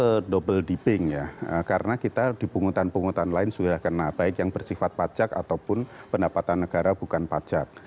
itu double deepping ya karena kita di pungutan pungutan lain sudah kena baik yang bersifat pajak ataupun pendapatan negara bukan pajak